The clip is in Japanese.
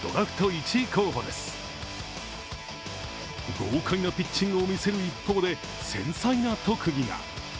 豪快なピッチングを見せる一方、で繊細な特技が。